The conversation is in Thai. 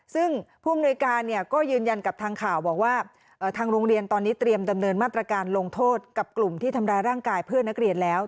ซึ่งผู้อำนวยการก็ยืนยันกับทางข่าวบอกว่าทางโรงเรียนตอนนี้เตรียมดำเนินมาตรการลงโทษกับกลุ่มที่ทำร้ายร่างกายเพื่อนนักเรียนแล้ว